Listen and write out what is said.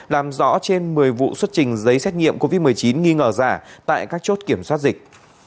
làm rõ trên một mươi vụ xuất trình giấy xét nghiệm covid một mươi chín nghi ngờ giả tại các chốt kiểm soát dịch